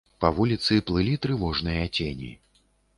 Па вуліцы плылі трывожныя цені.